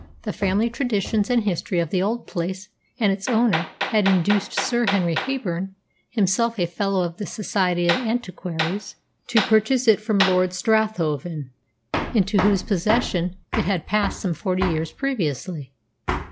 The family traditions and history of the old place and its owners had induced Sir Henry Heyburn, himself a Fellow of the Society of Antiquaries, to purchase it from Lord Strathavon, into whose possession it had passed some forty years previously.